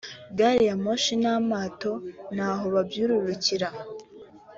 gari ya moshi n’amato n’aho babyururukira